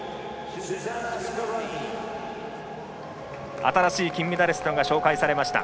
新しい金メダリストが紹介されました。